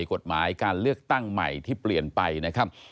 กฎหมายการเลือกตั้งใหม่ที่เปลี่ยนไปนะครับ